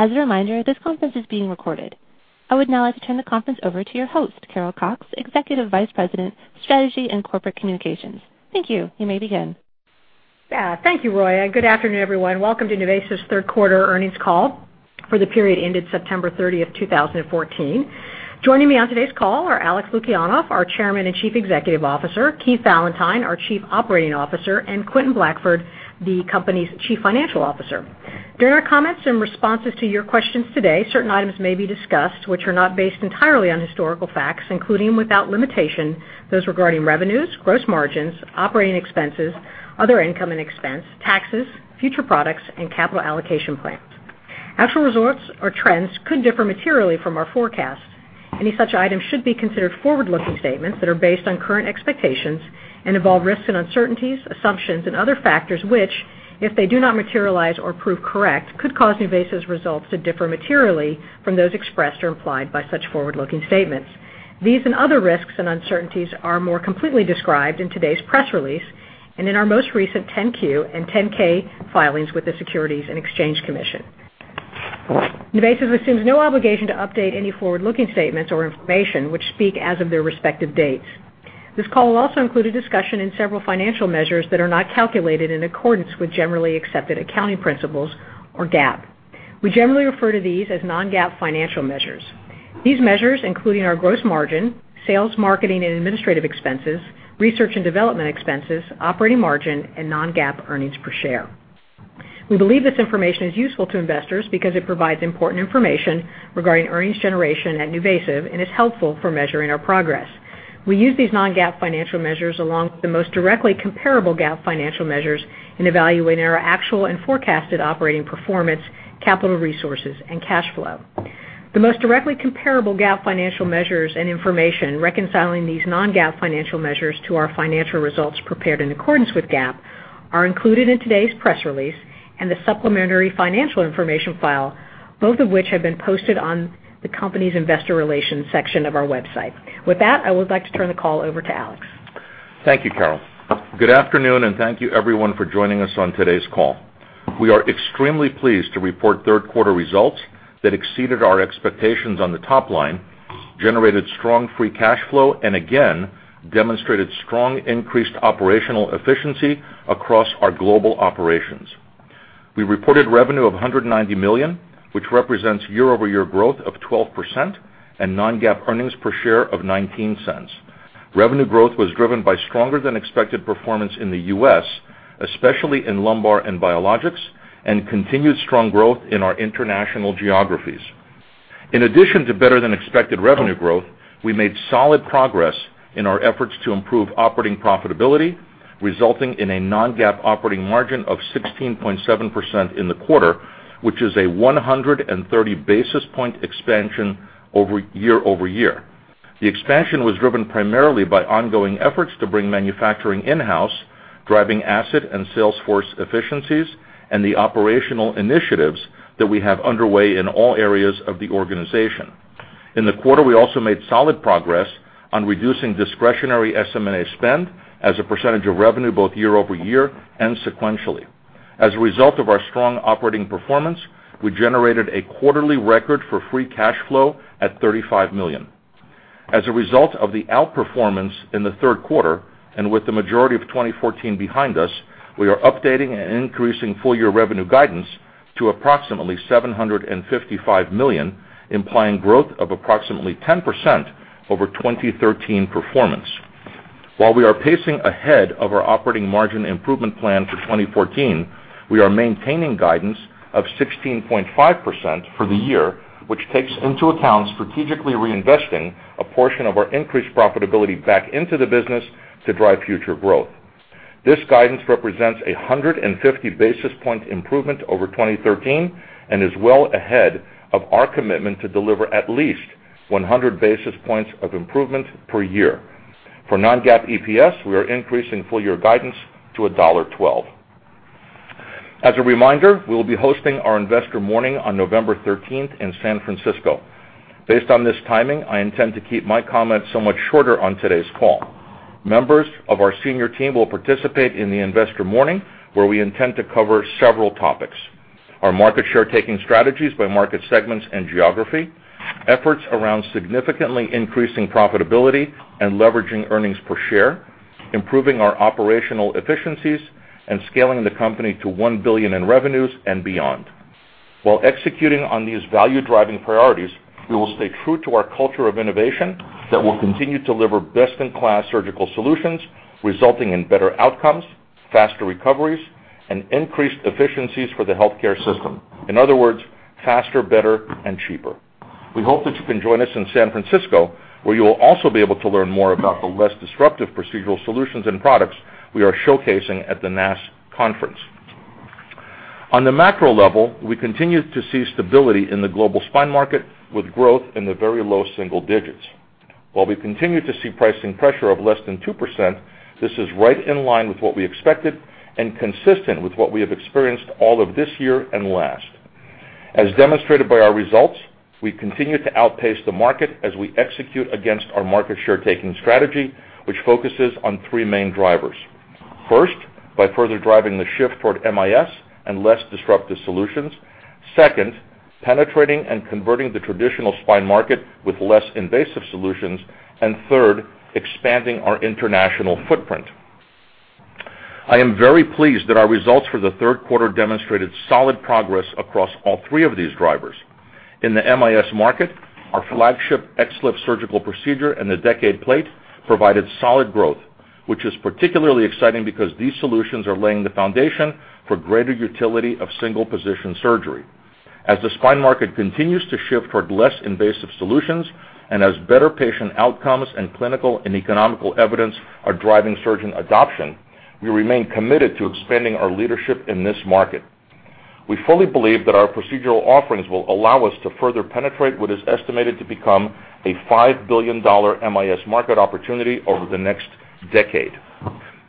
As a reminder, this conference is being recorded. I would now like to turn the conference over to your host, Carol Cox, Executive Vice President, Strategy and Corporate Communications. Thank you. You may begin. Thank you, Roya. Good afternoon, everyone. Welcome to NuVasive's third quarter earnings call for the period ended September 30, 2014. Joining me on today's call are Alex Lukianov, our Chairman and Chief Executive Officer; Keith Valentine, our Chief Operating Officer; and Quentin Blackford, the company's Chief Financial Officer. During our comments and responses to your questions today, certain items may be discussed which are not based entirely on historical facts, including without limitation those regarding revenues, gross margins, operating expenses, other income and expense, taxes, future products, and capital allocation plans. Actual results or trends could differ materially from our forecast. Any such items should be considered forward-looking statements that are based on current expectations and involve risks and uncertainties, assumptions, and other factors which, if they do not materialize or prove correct, could cause NuVasive's results to differ materially from those expressed or implied by such forward-looking statements. These and other risks and uncertainties are more completely described in today's press release and in our most recent 10-Q and 10-K filings with the Securities and Exchange Commission. NuVasive assumes no obligation to update any forward-looking statements or information which speak as of their respective dates. This call will also include a discussion in several financial measures that are not calculated in accordance with generally accepted accounting principles or GAAP. We generally refer to these as non-GAAP financial measures. These measures include our gross margin, sales, marketing, and administrative expenses, research and development expenses, operating margin, and non-GAAP earnings per share. We believe this information is useful to investors because it provides important information regarding earnings generation at NuVasive and is helpful for measuring our progress. We use these non-GAAP financial measures along with the most directly comparable GAAP financial measures in evaluating our actual and forecasted operating performance, capital resources, and cash flow. The most directly comparable GAAP financial measures and information reconciling these non-GAAP financial measures to our financial results prepared in accordance with GAAP are included in today's press release and the supplementary financial information file, both of which have been posted on the company's investor relations section of our website. With that, I would like to turn the call over to Alex. Thank you, Carol. Good afternoon, and thank you, everyone, for joining us on today's call. We are extremely pleased to report third quarter results that exceeded our expectations on the top line, generated strong free cash flow, and again demonstrated strong increased operational efficiency across our global operations. We reported revenue of $190 million, which represents year-over-year growth of 12% and non-GAAP earnings per share of $0.19. Revenue growth was driven by stronger-than-expected performance in the U.S., especially in lumbar and biologics, and continued strong growth in our international geographies. In addition to better-than-expected revenue growth, we made solid progress in our efforts to improve operating profitability, resulting in a non-GAAP operating margin of 16.7% in the quarter, which is a 130 basis point expansion year-over-year. The expansion was driven primarily by ongoing efforts to bring manufacturing in-house, driving asset and sales force efficiencies, and the operational initiatives that we have underway in all areas of the organization. In the quarter, we also made solid progress on reducing discretionary SM&A spend as a percentage of revenue both year-over-year and sequentially. As a result of our strong operating performance, we generated a quarterly record for free cash flow at $35 million. As a result of the outperformance in the third quarter and with the majority of 2014 behind us, we are updating and increasing full-year revenue guidance to approximately $755 million, implying growth of approximately 10% over 2013 performance. While we are pacing ahead of our operating margin improvement plan for 2014, we are maintaining guidance of 16.5% for the year, which takes into account strategically reinvesting a portion of our increased profitability back into the business to drive future growth. This guidance represents a 150 basis point improvement over 2013 and is well ahead of our commitment to deliver at least 100 basis points of improvement per year. For non-GAAP EPS, we are increasing full-year guidance to $1.12. As a reminder, we will be hosting our investor morning on November 13 in San Francisco. Based on this timing, I intend to keep my comments somewhat shorter on today's call. Members of our senior team will participate in the investor morning, where we intend to cover several topics: our market share-taking strategies by market segments and geography, efforts around significantly increasing profitability and leveraging earnings per share, improving our operational efficiencies, and scaling the company to $1 billion in revenues and beyond. While executing on these value-driving priorities, we will stay true to our culture of innovation that will continue to deliver best-in-class surgical solutions, resulting in better outcomes, faster recoveries, and increased efficiencies for the healthcare system. In other words, faster, better, and cheaper. We hope that you can join us in San Francisco, where you will also be able to learn more about the less disruptive procedural solutions and products we are showcasing at the NAS conference. On the macro level, we continue to see stability in the global spine market with growth in the very low single digits. While we continue to see pricing pressure of less than 2%, this is right in line with what we expected and consistent with what we have experienced all of this year and last. As demonstrated by our results, we continue to outpace the market as we execute against our market share-taking strategy, which focuses on three main drivers. First, by further driving the shift toward MIS and less disruptive solutions. Second, penetrating and converting the traditional spine market with less invasive solutions. Third, expanding our international footprint. I am very pleased that our results for the third quarter demonstrated solid progress across all three of these drivers. In the MIS market, our flagship XLIF surgical procedure and the Decade Plate provided solid growth, which is particularly exciting because these solutions are laying the foundation for greater utility of single-position surgery. As the spine market continues to shift toward less invasive solutions and as better patient outcomes and clinical and economical evidence are driving surgeon adoption, we remain committed to expanding our leadership in this market. We fully believe that our procedural offerings will allow us to further penetrate what is estimated to become a $5 billion MIS market opportunity over the next decade.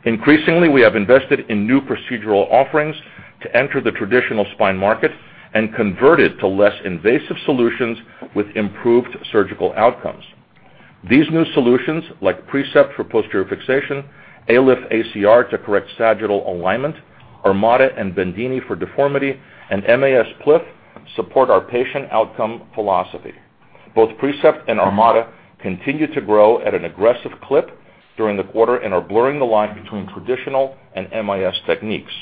Increasingly, we have invested in new procedural offerings to enter the traditional spine market and convert it to less invasive solutions with improved surgical outcomes. These new solutions, like Precept for posterior fixation, ALIF-ACR to correct sagittal alignment, Armada and Bendini for deformity, and MIS PLIF, support our patient outcome philosophy. Both Precept and Armada continue to grow at an aggressive clip during the quarter and are blurring the line between traditional and MIS techniques.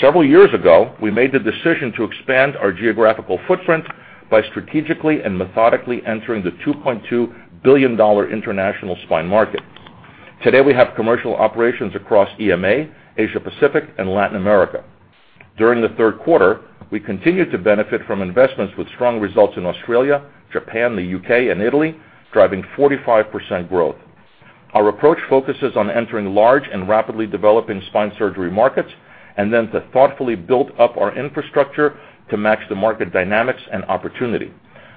Several years ago, we made the decision to expand our geographical footprint by strategically and methodically entering the $2.2 billion international spine market. Today, we have commercial operations across EMA, Asia Pacific, and Latin America. During the third quarter, we continue to benefit from investments with strong results in Australia, Japan, the U.K., and Italy, driving 45% growth. Our approach focuses on entering large and rapidly developing spine surgery markets and then to thoughtfully build up our infrastructure to match the market dynamics and opportunity.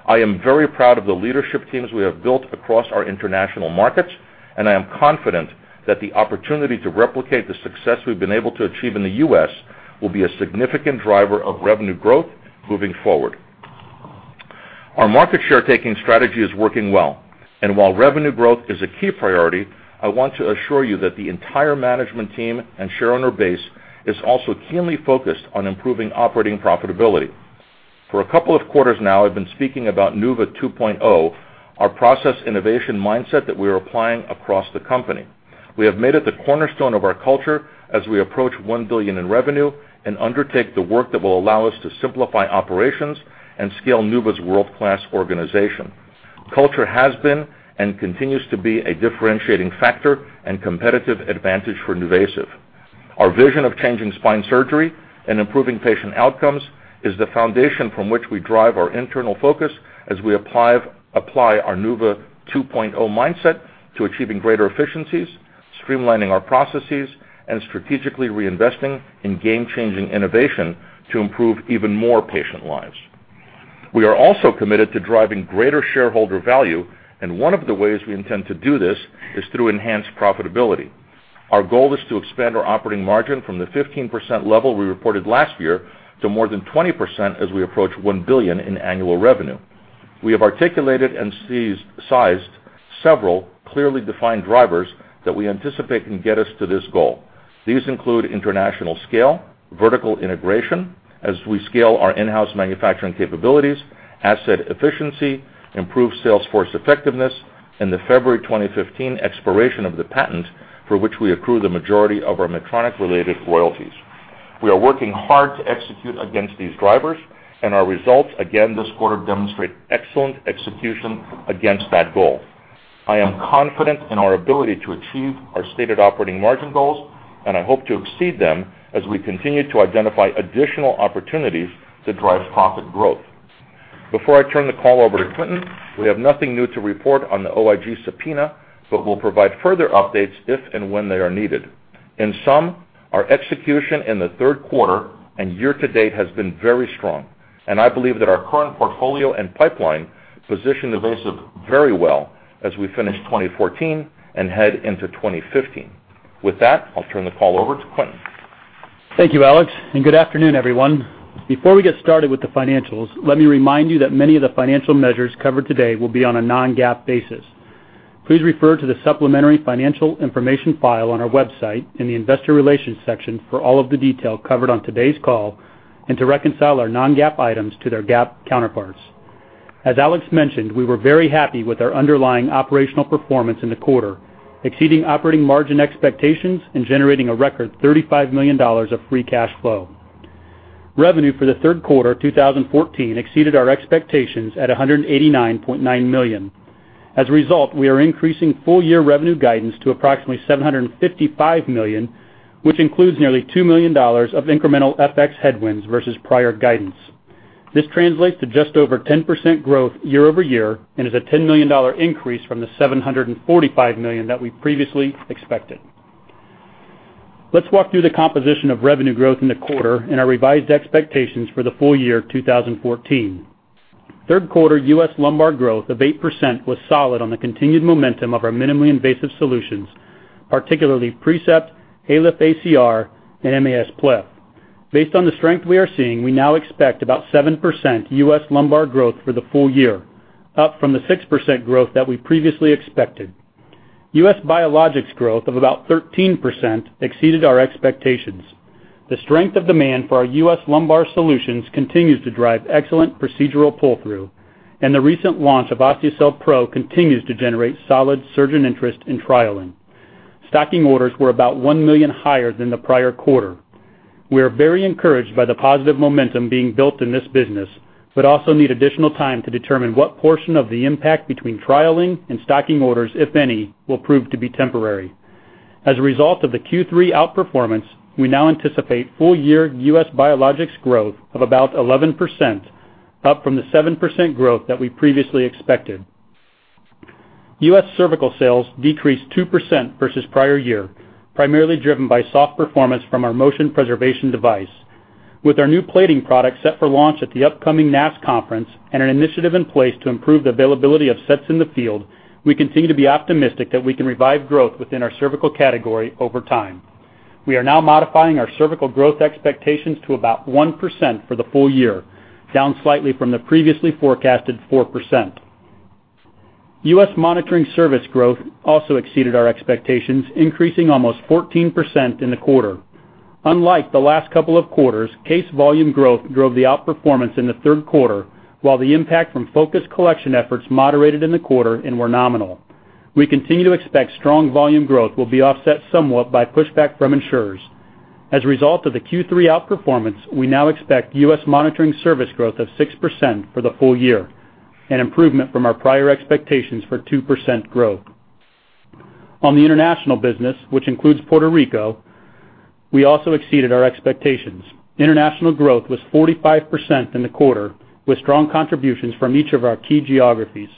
I am very proud of the leadership teams we have built across our international markets, and I am confident that the opportunity to replicate the success we've been able to achieve in the U.S. will be a significant driver of revenue growth moving forward. Our market share-taking strategy is working well, and while revenue growth is a key priority, I want to assure you that the entire management team and shareholder base is also keenly focused on improving operating profitability. For a couple of quarters now, I've been speaking about NuVa 2.0, our process innovation mindset that we are applying across the company. We have made it the cornerstone of our culture as we approach $1 billion in revenue and undertake the work that will allow us to simplify operations and scale NuVa's world-class organization. Culture has been and continues to be a differentiating factor and competitive advantage for NuVasive. Our vision of changing spine surgery and improving patient outcomes is the foundation from which we drive our internal focus as we apply our NuVa 2.0 mindset to achieving greater efficiencies, streamlining our processes, and strategically reinvesting in game-changing innovation to improve even more patient lives. We are also committed to driving greater shareholder value, and one of the ways we intend to do this is through enhanced profitability. Our goal is to expand our operating margin from the 15% level we reported last year to more than 20% as we approach $1 billion in annual revenue. We have articulated and sized several clearly defined drivers that we anticipate can get us to this goal. These include international scale, vertical integration as we scale our in-house manufacturing capabilities, asset efficiency, improved sales force effectiveness, and the February 2015 expiration of the patent for which we accrue the majority of our Medtronic-related royalties. We are working hard to execute against these drivers, and our results, again this quarter, demonstrate excellent execution against that goal. I am confident in our ability to achieve our stated operating margin goals, and I hope to exceed them as we continue to identify additional opportunities to drive profit growth. Before I turn the call over to Quentin, we have nothing new to report on the OIG subpoena, but we'll provide further updates if and when they are needed. In sum, our execution in the third quarter and year-to-date has been very strong, and I believe that our current portfolio and pipeline position NuVasive very well as we finish 2014 and head into 2015. With that, I'll turn the call over to Quentin. Thank you, Alex, and good afternoon, everyone. Before we get started with the financials, let me remind you that many of the financial measures covered today will be on a non-GAAP basis. Please refer to the supplementary financial information file on our website in the investor relations section for all of the detail covered on today's call and to reconcile our non-GAAP items to their GAAP counterparts. As Alex mentioned, we were very happy with our underlying operational performance in the quarter, exceeding operating margin expectations and generating a record $35 million of free cash flow. Revenue for the third quarter 2014 exceeded our expectations at $189.9 million. As a result, we are increasing full-year revenue guidance to approximately $755 million, which includes nearly $2 million of incremental FX headwinds versus prior guidance. This translates to just over 10% growth year-over-year and is a $10 million increase from the $745 million that we previously expected. Let's walk through the composition of revenue growth in the quarter and our revised expectations for the full year 2014. Third quarter US lumbar growth of 8% was solid on the continued momentum of our minimally invasive solutions, particularly Precept, ALIF-ACR, and MIS PLIF. Based on the strength we are seeing, we now expect about 7% US lumbar growth for the full year, up from the 6% growth that we previously expected. US biologics growth of about 13% exceeded our expectations. The strength of demand for our US lumbar solutions continues to drive excellent procedural pull-through, and the recent launch of Osteocell Pro continues to generate solid surgeon interest in trialing. Stocking orders were about $1 million higher than the prior quarter. We are very encouraged by the positive momentum being built in this business, but also need additional time to determine what portion of the impact between trialing and stocking orders, if any, will prove to be temporary. As a result of the Q3 outperformance, we now anticipate full-year US biologics growth of about 11%, up from the 7% growth that we previously expected. US cervical sales decreased 2% versus prior year, primarily driven by soft performance from our motion preservation device. With our new plating product set for launch at the upcoming NAS conference and an initiative in place to improve the availability of sets in the field, we continue to be optimistic that we can revive growth within our cervical category over time. We are now modifying our cervical growth expectations to about 1% for the full year, down slightly from the previously forecasted 4%. US monitoring service growth also exceeded our expectations, increasing almost 14% in the quarter. Unlike the last couple of quarters, case volume growth drove the outperformance in the third quarter, while the impact from focus collection efforts moderated in the quarter and were nominal. We continue to expect strong volume growth will be offset somewhat by pushback from insurers. As a result of the Q3 outperformance, we now expect US monitoring service growth of 6% for the full year, an improvement from our prior expectations for 2% growth. On the international business, which includes Puerto Rico, we also exceeded our expectations. International growth was 45% in the quarter, with strong contributions from each of our key geographies.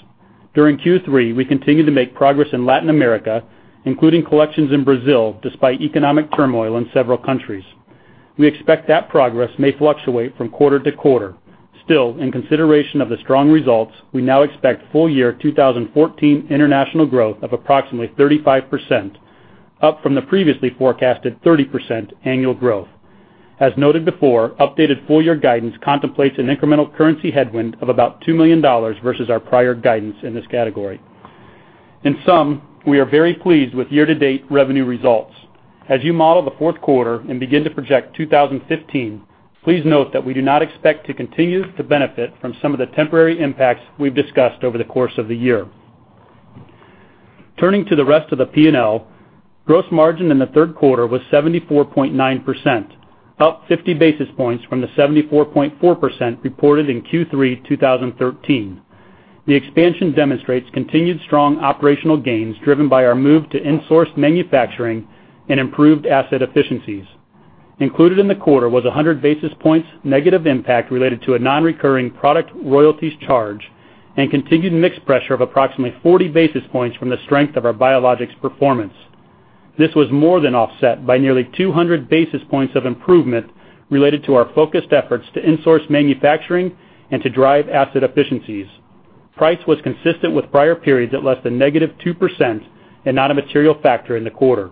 During Q3, we continued to make progress in Latin America, including collections in Brazil, despite economic turmoil in several countries. We expect that progress may fluctuate from quarter to quarter. Still, in consideration of the strong results, we now expect full-year 2014 international growth of approximately 35%, up from the previously forecasted 30% annual growth. As noted before, updated full-year guidance contemplates an incremental currency headwind of about $2 million versus our prior guidance in this category. In sum, we are very pleased with year-to-date revenue results. As you model the fourth quarter and begin to project 2015, please note that we do not expect to continue to benefit from some of the temporary impacts we've discussed over the course of the year. Turning to the rest of the P&L, gross margin in the third quarter was 74.9%, up 50 basis points from the 74.4% reported in Q3 2013. The expansion demonstrates continued strong operational gains driven by our move to insourced manufacturing and improved asset efficiencies. Included in the quarter was a 100 basis points negative impact related to a non-recurring product royalties charge and continued mixed pressure of approximately 40 basis points from the strength of our biologics performance. This was more than offset by nearly 200 basis points of improvement related to our focused efforts to insource manufacturing and to drive asset efficiencies. Price was consistent with prior periods at less than negative 2% and not a material factor in the quarter.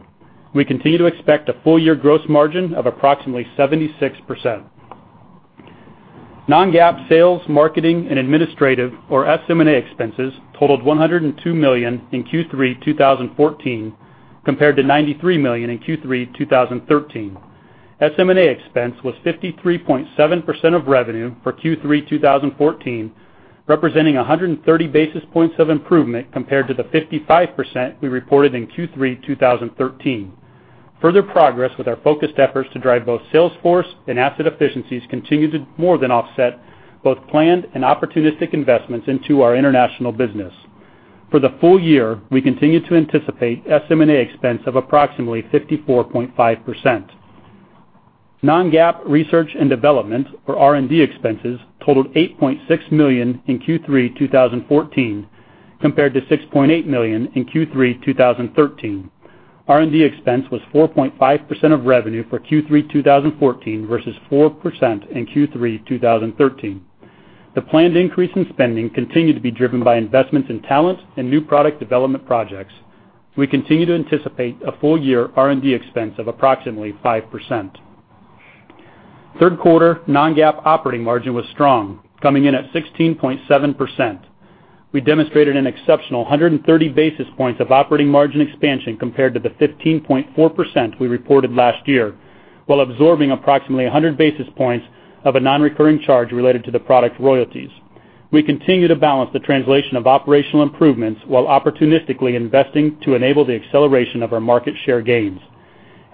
We continue to expect a full-year gross margin of approximately 76%. Non-GAAP sales, marketing, and administrative, or SM&A, expenses totaled $102 million in Q3 2014, compared to $93 million in Q3 2013. SM&A expense was 53.7% of revenue for Q3 2014, representing 130 basis points of improvement compared to the 55% we reported in Q3 2013. Further progress with our focused efforts to drive both sales force and asset efficiencies continued to more than offset both planned and opportunistic investments into our international business. For the full year, we continue to anticipate SM&A expense of approximately 54.5%. Non-GAAP research and development, or R&D expenses, totaled $8.6 million in Q3 2014, compared to $6.8 million in Q3 2013. R&D expense was 4.5% of revenue for Q3 2014 versus 4% in Q3 2013. The planned increase in spending continued to be driven by investments in talent and new product development projects. We continue to anticipate a full-year R&D expense of approximately 5%. Third quarter, non-GAAP operating margin was strong, coming in at 16.7%. We demonstrated an exceptional 130 basis points of operating margin expansion compared to the 15.4% we reported last year, while absorbing approximately 100 basis points of a non-recurring charge related to the product royalties. We continue to balance the translation of operational improvements while opportunistically investing to enable the acceleration of our market share gains.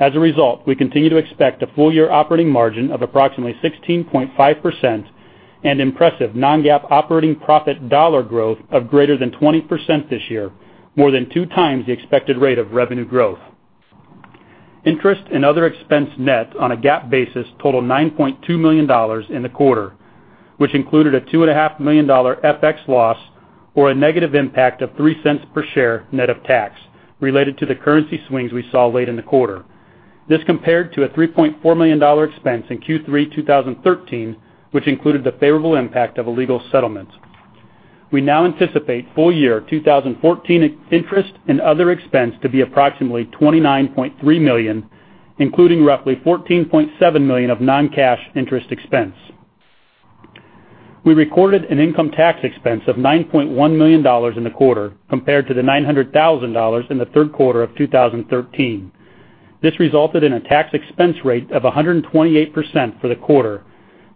As a result, we continue to expect a full-year operating margin of approximately 16.5% and impressive non-GAAP operating profit dollar growth of greater than 20% this year, more than two times the expected rate of revenue growth. Interest and other expense net on a GAAP basis totaled $9.2 million in the quarter, which included a $2.5 million FX loss or a negative impact of $0.03 per share net of tax related to the currency swings we saw late in the quarter. This compared to a $3.4 million expense in Q3 2013, which included the favorable impact of a legal settlement. We now anticipate full-year 2014 interest and other expense to be approximately $29.3 million, including roughly $14.7 million of non-cash interest expense. We recorded an income tax expense of $9.1 million in the quarter, compared to the $900,000 in the third quarter of 2013. This resulted in a tax expense rate of 128% for the quarter,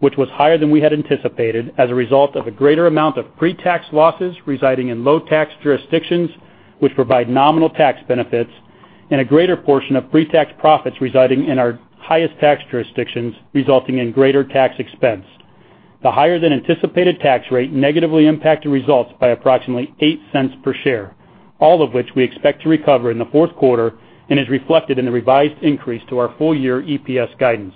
which was higher than we had anticipated as a result of a greater amount of pre-tax losses residing in low-tax jurisdictions, which provide nominal tax benefits, and a greater portion of pre-tax profits residing in our highest tax jurisdictions, resulting in greater tax expense. The higher-than-anticipated tax rate negatively impacted results by approximately $0.08 per share, all of which we expect to recover in the fourth quarter and is reflected in the revised increase to our full-year EPS guidance.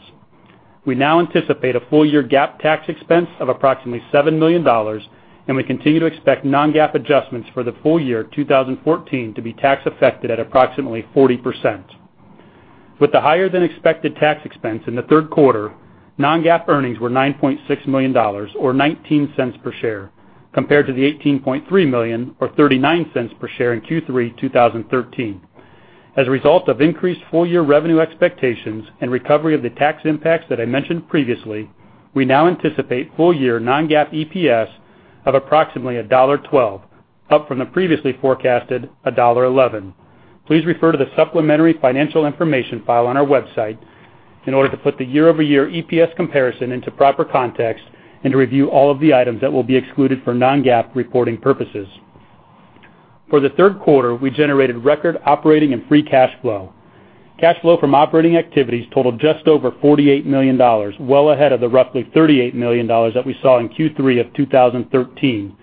We now anticipate a full-year GAAP tax expense of approximately $7 million, and we continue to expect non-GAAP adjustments for the full year 2014 to be tax-affected at approximately 40%. With the higher-than-expected tax expense in the third quarter, non-GAAP earnings were $9.6 million, or $0.19 per share, compared to the $18.3 million, or $0.39 per share in Q3 2013. As a result of increased full-year revenue expectations and recovery of the tax impacts that I mentioned previously, we now anticipate full-year non-GAAP EPS of approximately $1.12, up from the previously forecasted $1.11. Please refer to the supplementary financial information file on our website in order to put the year-over-year EPS comparison into proper context and to review all of the items that will be excluded for non-GAAP reporting purposes. For the third quarter, we generated record operating and free cash flow. Cash flow from operating activities totaled just over $48 million, well ahead of the roughly $38 million that we saw in Q3 of 2013,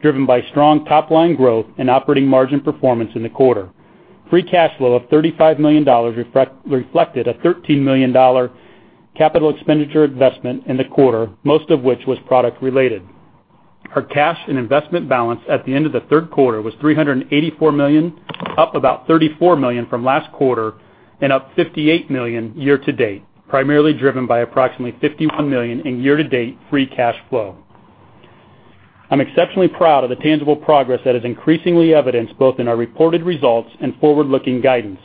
driven by strong top-line growth and operating margin performance in the quarter. Free cash flow of $35 million reflected a $13 million capital expenditure investment in the quarter, most of which was product-related. Our cash and investment balance at the end of the third quarter was $384 million, up about $34 million from last quarter and up $58 million year-to-date, primarily driven by approximately $51 million in year-to-date free cash flow. I'm exceptionally proud of the tangible progress that is increasingly evident both in our reported results and forward-looking guidance.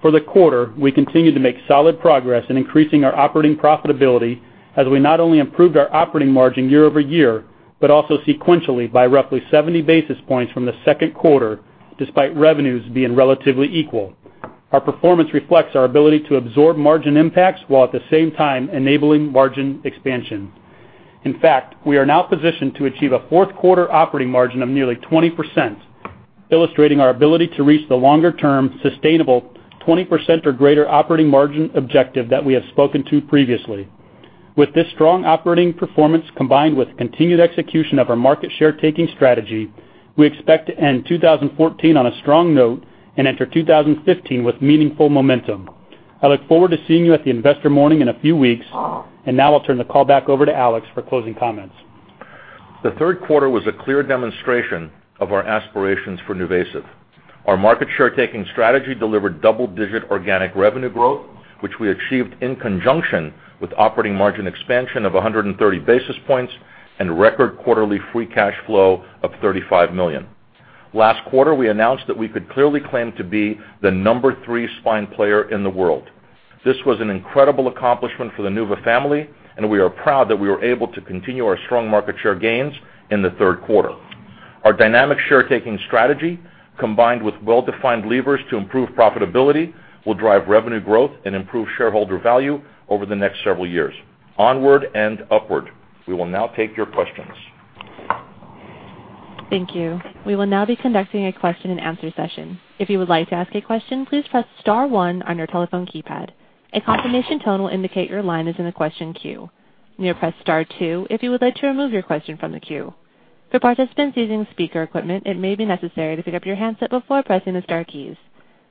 For the quarter, we continue to make solid progress in increasing our operating profitability as we not only improved our operating margin year-over-year but also sequentially by roughly 70 basis points from the second quarter, despite revenues being relatively equal. Our performance reflects our ability to absorb margin impacts while at the same time enabling margin expansion. In fact, we are now positioned to achieve a fourth quarter operating margin of nearly 20%, illustrating our ability to reach the longer-term sustainable 20% or greater operating margin objective that we have spoken to previously. With this strong operating performance combined with continued execution of our market share-taking strategy, we expect to end 2014 on a strong note and enter 2015 with meaningful momentum. I look forward to seeing you at the investor morning in a few weeks, and now I'll turn the call back over to Alex for closing comments. The third quarter was a clear demonstration of our aspirations for NuVasive. Our market share-taking strategy delivered double-digit organic revenue growth, which we achieved in conjunction with operating margin expansion of 130 basis points and record quarterly free cash flow of $35 million. Last quarter, we announced that we could clearly claim to be the number three spine player in the world. This was an incredible accomplishment for the NuVa family, and we are proud that we were able to continue our strong market share gains in the third quarter. Our dynamic share-taking strategy, combined with well-defined levers to improve profitability, will drive revenue growth and improve shareholder value over the next several years. Onward and upward. We will now take your questions. Thank you. We will now be conducting a question-and-answer session. If you would like to ask a question, please press Star 1 on your telephone keypad. A confirmation tone will indicate your line is in the question queue. You may press Star 2 if you would like to remove your question from the queue. For participants using speaker equipment, it may be necessary to pick up your handset before pressing the star keys.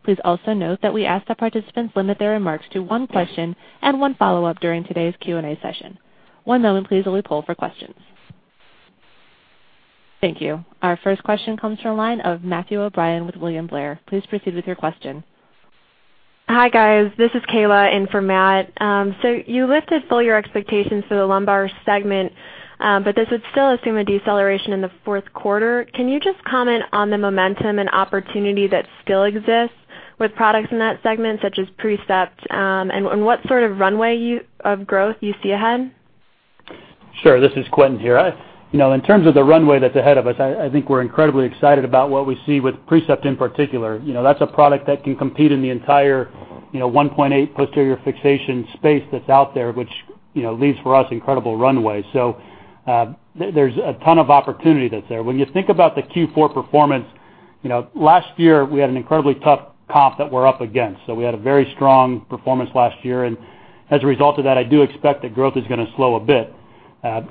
Please also note that we ask that participants limit their remarks to one question and one follow-up during today's Q&A session. One moment, please, while we pull for questions. Thank you. Our first question comes from a line of Matthew O'Brien with William Blair. Please proceed with your question. Hi, guys. This is Kayla in for Matt. So you lifted full your expectations for the lumbar segment, but this would still assume a deceleration in the fourth quarter. Can you just comment on the momentum and opportunity that still exists with products in that segment, such as Precept, and what sort of runway of growth you see ahead? Sure. This is Quinn here. In terms of the runway that's ahead of us, I think we're incredibly excited about what we see with Precept in particular. That's a product that can compete in the entire 1.8 posterior fixation space that's out there, which leaves for us incredible runway. There is a ton of opportunity that's there. When you think about the Q4 performance, last year we had an incredibly tough comp that we're up against. We had a very strong performance last year, and as a result of that, I do expect that growth is going to slow a bit.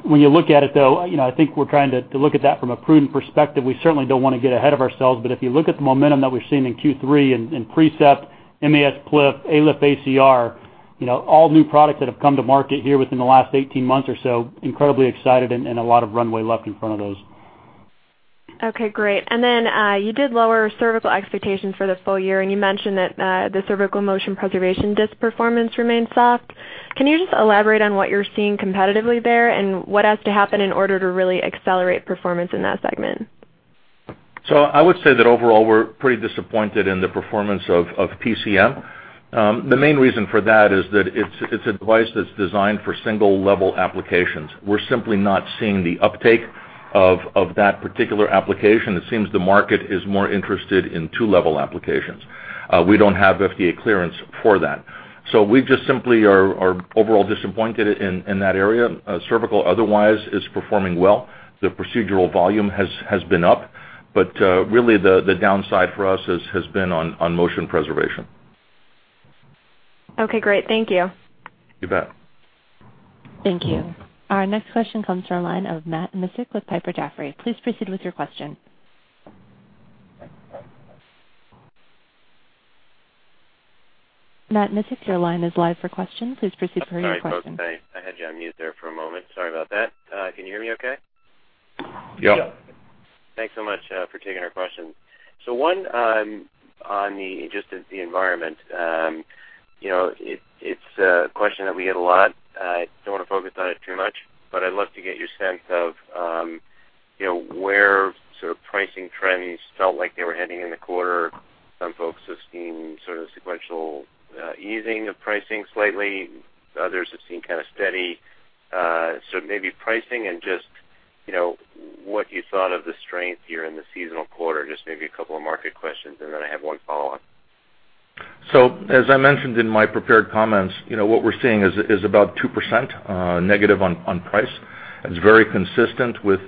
When you look at it, though, I think we're trying to look at that from a prudent perspective. We certainly do not want to get ahead of ourselves, but if you look at the momentum that we have seen in Q3 in Precept, MIS PLIF, ALIF-ACR, all new products that have come to market here within the last 18 months or so, incredibly excited and a lot of runway left in front of those. Okay. Great. And then you did lower cervical expectations for the full year, and you mentioned that the cervical motion preservation disc performance remained soft. Can you just elaborate on what you are seeing competitively there and what has to happen in order to really accelerate performance in that segment? I would say that overall we are pretty disappointed in the performance of PCM. The main reason for that is that it is a device that is designed for single-level applications. We are simply not seeing the uptake of that particular application. It seems the market is more interested in two-level applications. We do not have FDA clearance for that. So we just simply are overall disappointed in that area. Cervical otherwise is performing well. The procedural volume has been up, but really the downside for us has been on motion preservation. Okay. Great. Thank you. You bet. Thank you. Our next question comes from a line of Matt Miksic with Piper Jaffray. Please proceed with your question. Matt Miksic, your line is live for questions. Please proceed with your question. Sorry about the I had you on mute there for a moment. Sorry about that. Can you hear me okay? Yep. Thanks so much for taking our questions. So one on just the environment, it is a question that we get a lot. I do not want to focus on it too much, but I would love to get your sense of where sort of pricing trends felt like they were heading in the quarter. Some folks have seen sort of sequential easing of pricing slightly. Others have seen kind of steady. Maybe pricing and just what you thought of the strength here in the seasonal quarter, just maybe a couple of market questions, and then I have one follow-up. As I mentioned in my prepared comments, what we are seeing is about 2% negative on price. It is very consistent with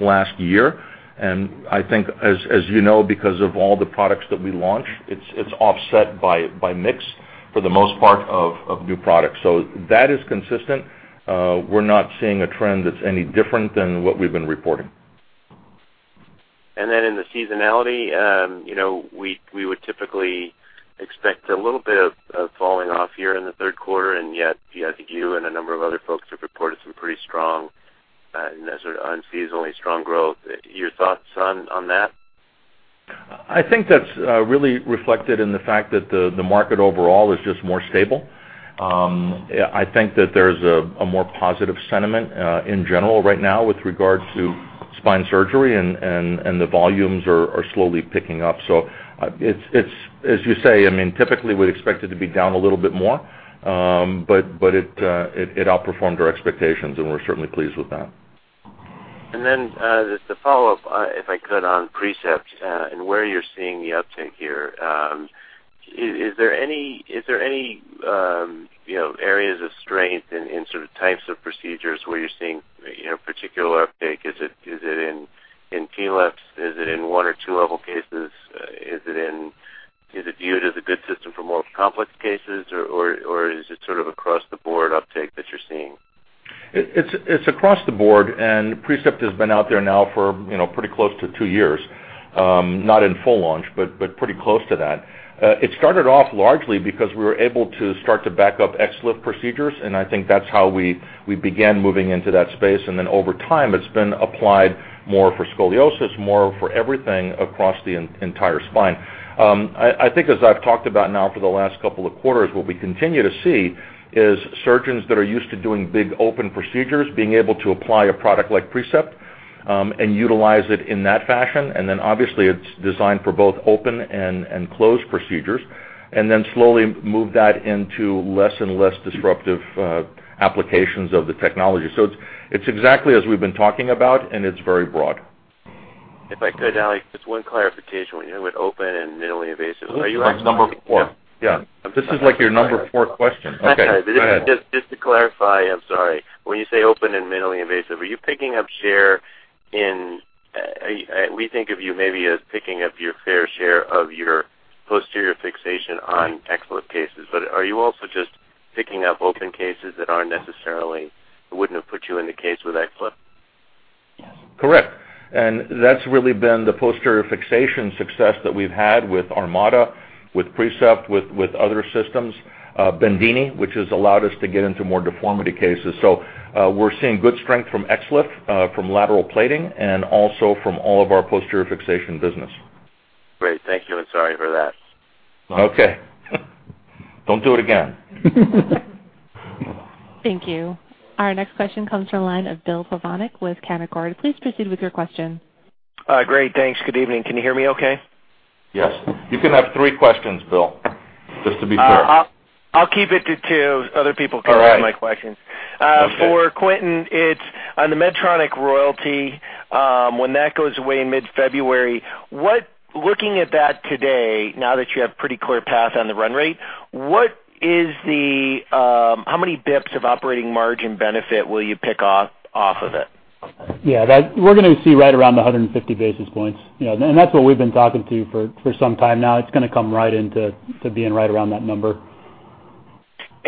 last year. I think, as you know, because of all the products that we launched, it is offset by mix for the most part of new products. That is consistent. We are not seeing a trend that is any different than what we have been reporting. In the seasonality, we would typically expect a little bit of falling off here in the third quarter, and yet you and a number of other folks have reported some pretty strong and sort of unseasonably strong growth. Your thoughts on that? I think that's really reflected in the fact that the market overall is just more stable. I think that there's a more positive sentiment in general right now with regard to spine surgery, and the volumes are slowly picking up. As you say, I mean, typically we'd expect it to be down a little bit more, but it outperformed our expectations, and we're certainly pleased with that. Just to follow up, if I could, on Precept and where you're seeing the uptake here. Is there any areas of strength in sort of types of procedures where you're seeing particular uptake? Is it in TLIFs? Is it in one or two-level cases? Is it viewed as a good system for more complex cases, or is it sort of across-the-board uptake that you're seeing? It's across the board, and Precept has been out there now for pretty close to two years, not in full launch, but pretty close to that. It started off largely because we were able to start to back up XLIF procedures, and I think that's how we began moving into that space. Over time, it's been applied more for scoliosis, more for everything across the entire spine. I think as I've talked about now for the last couple of quarters, what we continue to see is surgeons that are used to doing big open procedures being able to apply a product like Precept and utilize it in that fashion. It is designed for both open and closed procedures, and then slowly move that into less and less disruptive applications of the technology. It is exactly as we have been talking about, and it is very broad. If I could, Alex, just one clarification when you hear with open and minimally invasive. Are you asking? That is number four. Yeah. This is like your number four question. Okay. Just to clarify, I am sorry. When you say open and minimally invasive, are you picking up share in we think of you maybe as picking up your fair share of your posterior fixation on XLIF cases, but are you also just picking up open cases that are not necessarily would not have put you in the case with XLIF? Yes. Correct. That's really been the posterior fixation success that we've had with Armada, with Precept, with other systems, Bendini, which has allowed us to get into more deformity cases. We're seeing good strength from XLIF, from lateral plating, and also from all of our posterior fixation business. Great. Thank you. Sorry for that. Okay. Don't do it again. Thank you. Our next question comes from a line of Bill Pavonic with Cunningham. Please proceed with your question. Great. Thanks. Good evening. Can you hear me okay? Yes. You can have three questions, Bill, just to be sure. I'll keep it to two. Other people can ask my questions. For Quentin, it's on the Medtronic royalty. When that goes away in mid-February, looking at that today, now that you have a pretty clear path on the run rate, how many basis points of operating margin benefit will you pick off of it? Yeah. We're going to see right around the 150 basis points. And that's what we've been talking to for some time now. It's going to come right into being right around that number.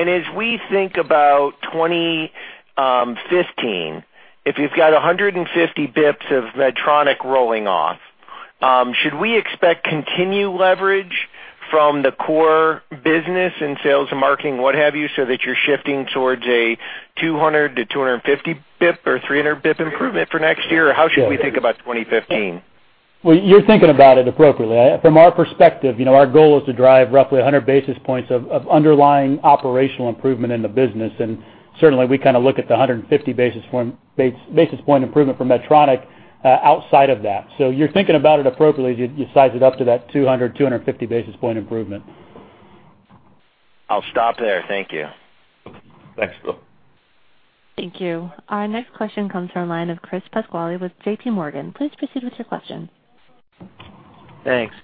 As we think about 2015, if you've got 150 basis points of Medtronic rolling off, should we expect continued leverage from the core business and sales and marketing, what have you, so that you're shifting towards a 200-250 basis point or 300 basis point improvement for next year? Or how should we think about 2015? You're thinking about it appropriately. From our perspective, our goal is to drive roughly 100 basis points of underlying operational improvement in the business. Certainly, we kind of look at the 150 basis point improvement for Medtronic outside of that. You are thinking about it appropriately as you size it up to that 200-250 basis point improvement. I'll stop there. Thank you. Thanks, Bill. Thank you. Our next question comes from a line of Chris Pasquale with JP Morgan. Please proceed with your question. Thanks.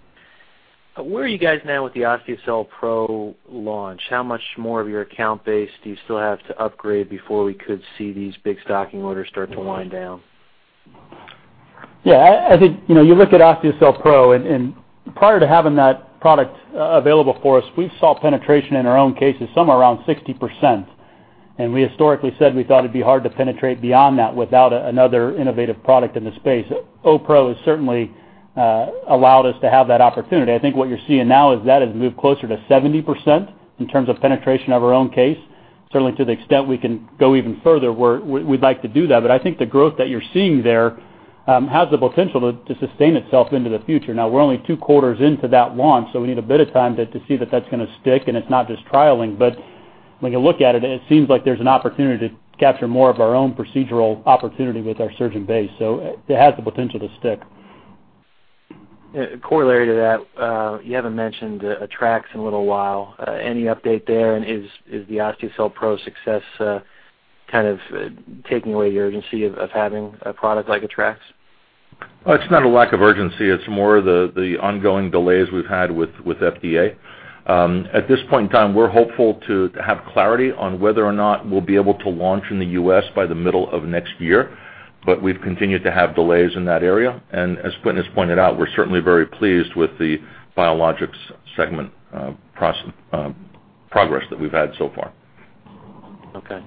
Where are you guys now with the OsteoCell Pro launch? How much more of your account base do you still have to upgrade before we could see these big stocking orders start to wind down? Yeah. As you look at OsteoCell Pro, and prior to having that product available for us, we saw penetration in our own cases somewhere around 60%. We historically said we thought it'd be hard to penetrate beyond that without another innovative product in the space. OPRO has certainly allowed us to have that opportunity. I think what you're seeing now is that has moved closer to 70% in terms of penetration of our own case. Certainly, to the extent we can go even further, we'd like to do that. I think the growth that you're seeing there has the potential to sustain itself into the future. Now, we're only two quarters into that launch, so we need a bit of time to see that that's going to stick. It's not just trialing, but when you look at it, it seems like there's an opportunity to capture more of our own procedural opportunity with our surgeon base. It has the potential to stick. Corollary to that, you haven't mentioned Attrax in a little while. Any update there? Is the OsteoCell Pro success kind of taking away the urgency of having a product like Attrax? It's not a lack of urgency. It's more of the ongoing delays we've had with FDA. At this point in time, we're hopeful to have clarity on whether or not we'll be able to launch in the U.S. by the middle of next year, but we've continued to have delays in that area. As Quentin has pointed out, we're certainly very pleased with the biologics segment progress that we've had so far. Okay.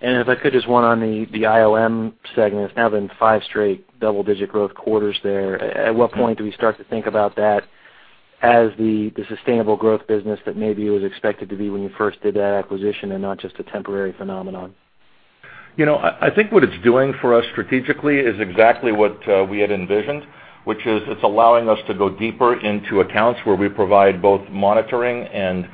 If I could, just one on the IOM segment. It's now been five straight double-digit growth quarters there. At what point do we start to think about that as the sustainable growth business that maybe it was expected to be when you first did that acquisition and not just a temporary phenomenon? I think what it's doing for us strategically is exactly what we had envisioned, which is it's allowing us to go deeper into accounts where we provide both monitoring and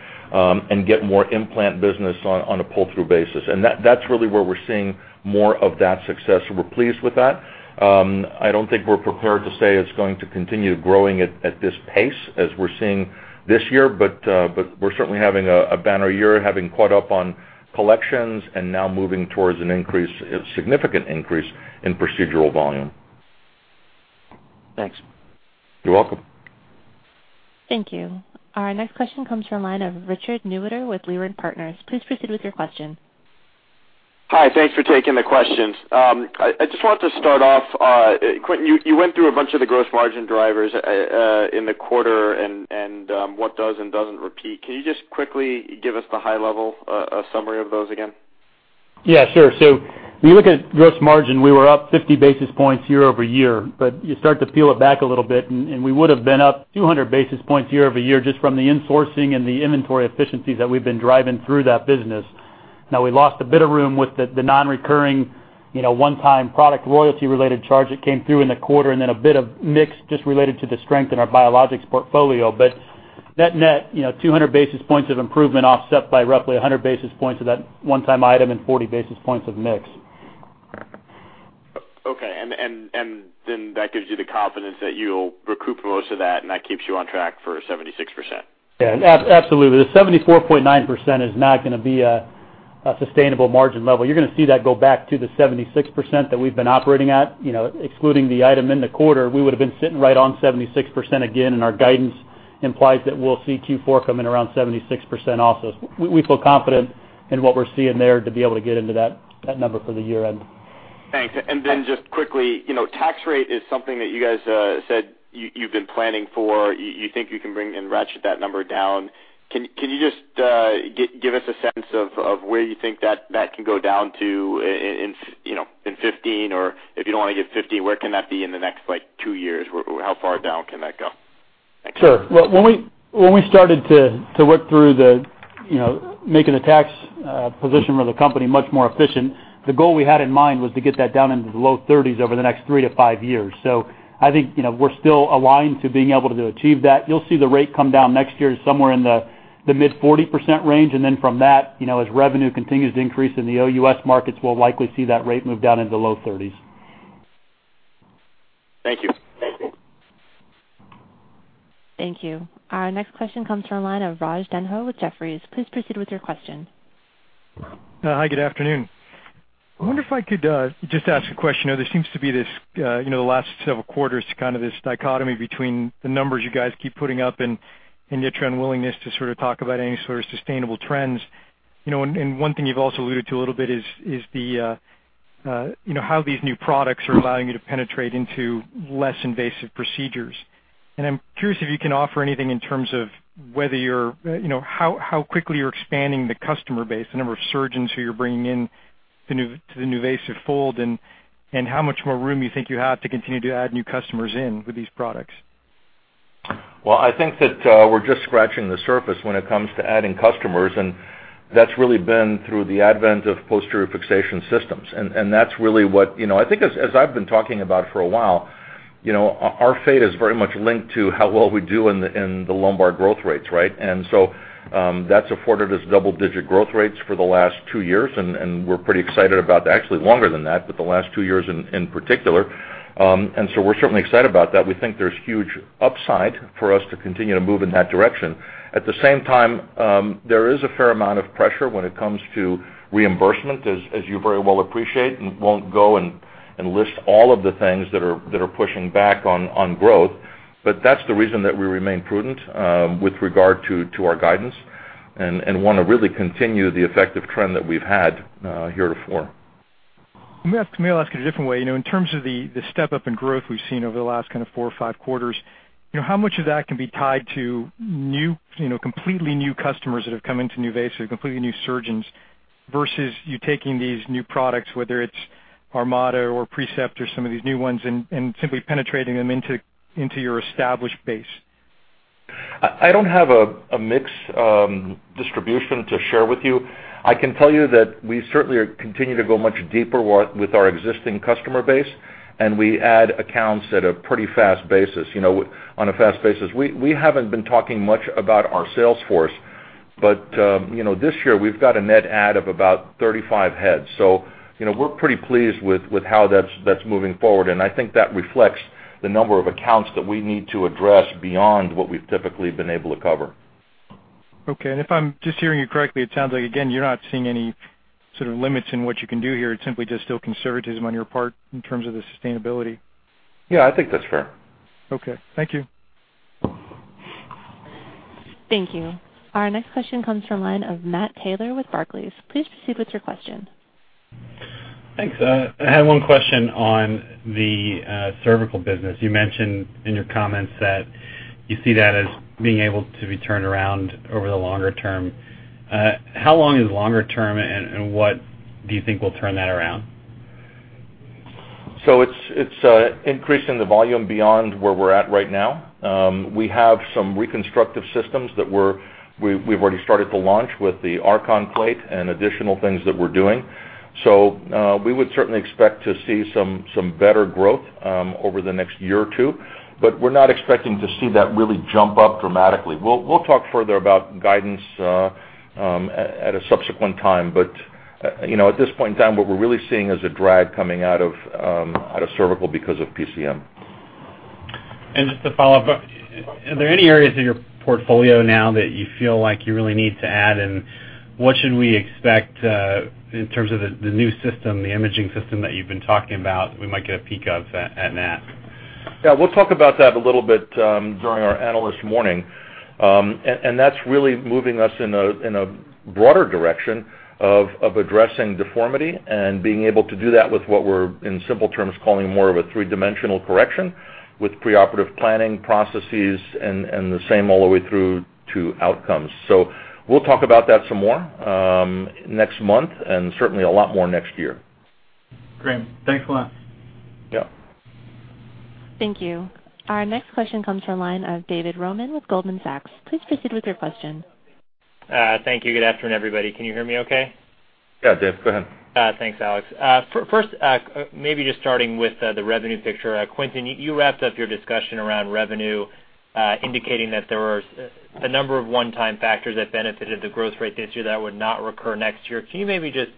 get more implant business on a pull-through basis. That's really where we're seeing more of that success. We're pleased with that. I don't think we're prepared to say it's going to continue growing at this pace as we're seeing this year, but we're certainly having a banner year having caught up on collections and now moving towards a significant increase in procedural volume. Thanks. You're welcome. Thank you. Our next question comes from a line of Richard Neuter with Leland Partners. Please proceed with your question. Hi. Thanks for taking the questions. I just wanted to start off. Quentin, you went through a bunch of the gross margin drivers in the quarter and what does and doesn't repeat. Can you just quickly give us the high-level summary of those again? Yeah. Sure. So when you look at gross margin, we were up 50 basis points year over year, but you start to peel it back a little bit, and we would have been up 200 basis points year over year just from the insourcing and the inventory efficiencies that we've been driving through that business. Now, we lost a bit of room with the non-recurring one-time product royalty-related charge that came through in the quarter and then a bit of mix just related to the strength in our biologics portfolio. Net-net, 200 basis points of improvement offset by roughly 100 basis points of that one-time item and 40 basis points of mix. Okay. That gives you the confidence that you'll recoup most of that, and that keeps you on track for 76%. Yeah. Absolutely. The 74.9% is not going to be a sustainable margin level. You're going to see that go back to the 76% that we've been operating at. Excluding the item in the quarter, we would have been sitting right on 76% again, and our guidance implies that we'll see Q4 coming around 76% also. We feel confident in what we're seeing there to be able to get into that number for the year-end. Thanks. Then just quickly, tax rate is something that you guys said you've been planning for. You think you can bring and ratchet that number down. Can you just give us a sense of where you think that can go down to in 2015? Or if you don't want to give 2015, where can that be in the next two years? How far down can that go? Sure. When we started to work through making the tax position for the company much more efficient, the goal we had in mind was to get that down into the low 30s over the next three to five years. I think we're still aligned to being able to achieve that. You'll see the rate come down next year somewhere in the mid-40% range. From that, as revenue continues to increase in the OUS markets, we'll likely see that rate move down into the low 30s. Thank you. Thank you. Our next question comes from a line of Raj Denho with Jefferies. Please proceed with your question. Hi. Good afternoon. I wonder if I could just ask a question. There seems to be this, the last several quarters, kind of this dichotomy between the numbers you guys keep putting up and yet your unwillingness to sort of talk about any sort of sustainable trends. One thing you've also alluded to a little bit is how these new products are allowing you to penetrate into less invasive procedures. I'm curious if you can offer anything in terms of whether you're, how quickly you're expanding the customer base, the number of surgeons who you're bringing into the new invasive fold, and how much more room you think you have to continue to add new customers in with these products. I think that we're just scratching the surface when it comes to adding customers, and that's really been through the advent of posterior fixation systems. That is really what I think, as I have been talking about for a while, our fate is very much linked to how well we do in the lumbar growth rates, right? That has afforded us double-digit growth rates for the last two years, and we are pretty excited about that. Actually, longer than that, but the last two years in particular. We are certainly excited about that. We think there is huge upside for us to continue to move in that direction. At the same time, there is a fair amount of pressure when it comes to reimbursement, as you very well appreciate, and I will not go and list all of the things that are pushing back on growth. That is the reason that we remain prudent with regard to our guidance and want to really continue the effective trend that we have had here to 4. Let me ask it a different way. In terms of the step-up in growth we've seen over the last kind of four or five quarters, how much of that can be tied to completely new customers that have come into NuVasive, completely new surgeons versus you taking these new products, whether it's Armada or Precept or some of these new ones, and simply penetrating them into your established base? I don't have a mixed distribution to share with you. I can tell you that we certainly continue to go much deeper with our existing customer base, and we add accounts at a pretty fast basis. On a fast basis, we haven't been talking much about our sales force, but this year, we've got a net add of about 35 heads. We're pretty pleased with how that's moving forward, and I think that reflects the number of accounts that we need to address beyond what we've typically been able to cover. Okay. If I'm just hearing you correctly, it sounds like, again, you're not seeing any sort of limits in what you can do here. It's simply just still conservatism on your part in terms of the sustainability. Yeah. I think that's fair. Okay. Thank you. Thank you. Our next question comes from a line of Matt Taylor with Barclays. Please proceed with your question. Thanks. I had one question on the cervical business. You mentioned in your comments that you see that as being able to be turned around over the longer term. How long is longer term, and what do you think will turn that around? It's increasing the volume beyond where we're at right now. We have some reconstructive systems that we've already started to launch with the Archon Plate and additional things that we're doing. We would certainly expect to see some better growth over the next year or two, but we're not expecting to see that really jump up dramatically. We'll talk further about guidance at a subsequent time. At this point in time, what we're really seeing is a drag coming out of cervical because of PCM. Just to follow up, are there any areas of your portfolio now that you feel like you really need to add? What should we expect in terms of the new system, the imaging system that you've been talking about that we might get a peek of at NAS? Yeah. We'll talk about that a little bit during our analyst morning. That is really moving us in a broader direction of addressing deformity and being able to do that with what we are, in simple terms, calling more of a three-dimensional correction with preoperative planning processes and the same all the way through to outcomes. We will talk about that some more next month and certainly a lot more next year. Great. Thanks a lot. Yeah. Thank you. Our next question comes from a line of David Roman with Goldman Sachs. Please proceed with your question. Thank you. Good afternoon, everybody. Can you hear me okay? Yeah, Dave. Go ahead. Thanks, Alex. First, maybe just starting with the revenue picture. Quentin, you wrapped up your discussion around revenue, indicating that there were a number of one-time factors that benefited the growth rate this year that would not recur next year. Can you maybe just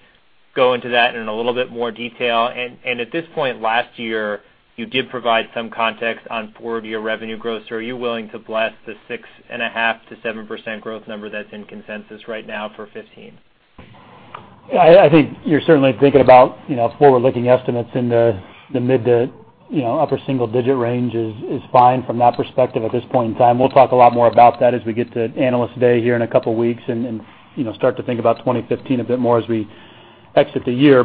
go into that in a little bit more detail? At this point last year, you did provide some context on four-year revenue growth. Are you willing to bless the 6.5%-7% growth number that's in consensus right now for 2015? Yeah. I think you're certainly thinking about forward-looking estimates in the mid to upper single-digit range is fine from that perspective at this point in time. We'll talk a lot more about that as we get to analyst day here in a couple of weeks and start to think about 2015 a bit more as we exit the year.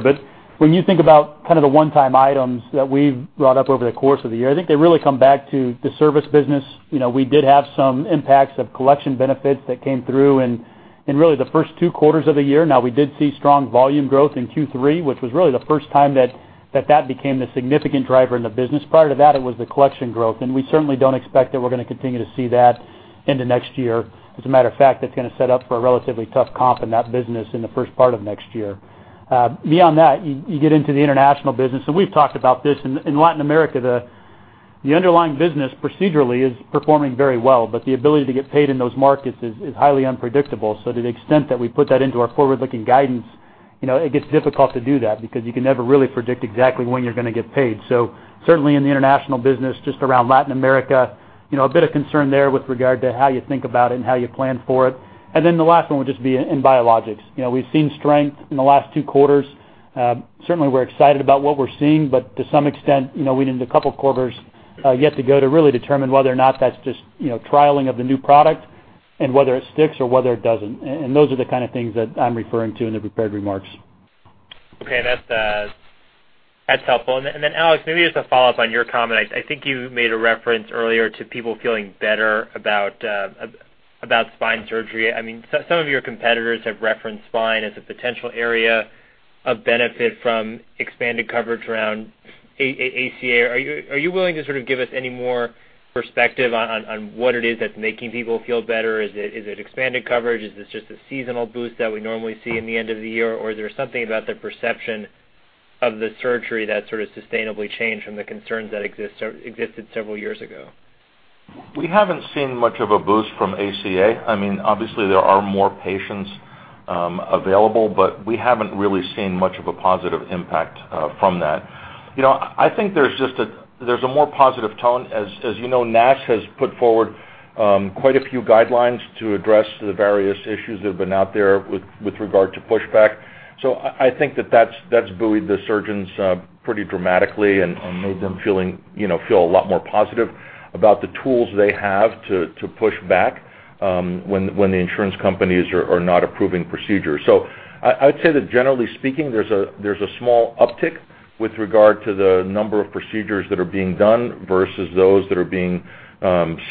When you think about kind of the one-time items that we've brought up over the course of the year, I think they really come back to the service business. We did have some impacts of collection benefits that came through in really the first two quarters of the year. Now, we did see strong volume growth in Q3, which was really the first time that that became the significant driver in the business. Prior to that, it was the collection growth, and we certainly do not expect that we are going to continue to see that into next year. As a matter of fact, that is going to set up for a relatively tough comp in that business in the first part of next year. Beyond that, you get into the international business, and we have talked about this. In Latin America, the underlying business procedurally is performing very well, but the ability to get paid in those markets is highly unpredictable. To the extent that we put that into our forward-looking guidance, it gets difficult to do that because you can never really predict exactly when you're going to get paid. Certainly in the international business, just around Latin America, a bit of concern there with regard to how you think about it and how you plan for it. The last one would just be in biologics. We've seen strength in the last two quarters. Certainly, we're excited about what we're seeing, but to some extent, we need a couple of quarters yet to go to really determine whether or not that's just trialing of the new product and whether it sticks or whether it doesn't. Those are the kind of things that I'm referring to in the prepared remarks. Okay.That's helpful. Alex, maybe just a follow-up on your comment. I think you made a reference earlier to people feeling better about spine surgery. I mean, some of your competitors have referenced spine as a potential area of benefit from expanded coverage around ACA. Are you willing to sort of give us any more perspective on what it is that's making people feel better? Is it expanded coverage? Is this just a seasonal boost that we normally see in the end of the year? Or is there something about the perception of the surgery that's sort of sustainably changed from the concerns that existed several years ago? We haven't seen much of a boost from ACA. I mean, obviously, there are more patients available, but we haven't really seen much of a positive impact from that. I think there's a more positive tone. As you know, NAS has put forward quite a few guidelines to address the various issues that have been out there with regard to pushback. I think that that's buoyed the surgeons pretty dramatically and made them feel a lot more positive about the tools they have to push back when the insurance companies are not approving procedures. I would say that, generally speaking, there's a small uptick with regard to the number of procedures that are being done versus those that are being